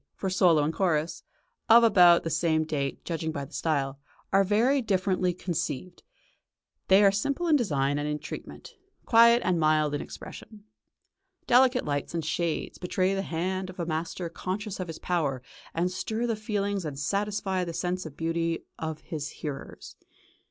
for solo and chorus, of about the same date, judging by the style, are very differently conceived: they are simple in design and in treatment, quiet and mild in expression. Delicate lights and shades betray the hand of a master conscious of his power to stir the feelings and satisfy the sense of beauty of his hearers.